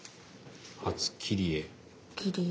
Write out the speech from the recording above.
初切り絵。